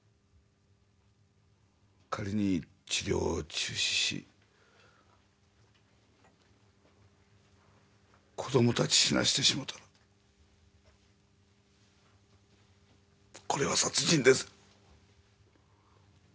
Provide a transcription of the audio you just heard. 仮に治療を中止し子どもたち死なしてしもうたらこれは殺人です